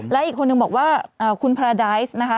และอีกคนนึงบอกว่าคุณพราไดซ์นะคะ